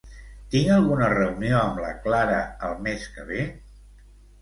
Tinc alguna reunió amb la Clara el mes que ve?